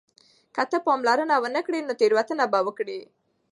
که ته پاملرنه ونه کړې نو تېروتنه به وکړې.